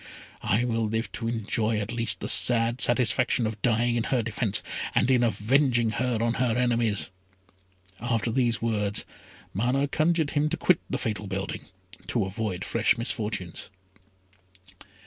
I will live to enjoy at least the sad satisfaction of dying in her defence, and in avenging her on her enemies!" After these words, Mana conjured him to quit the fatal building to avoid fresh misfortunes.